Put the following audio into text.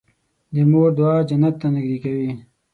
د مور دعا جنت ته نږدې کوي.